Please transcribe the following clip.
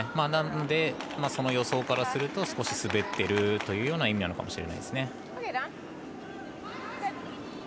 なので、その予想からすると少し滑っているというような意味なのかもしれないですね。